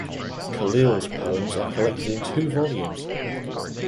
Khalil’s poems are collected in two volumes.